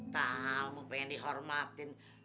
tamu pengen dihormatin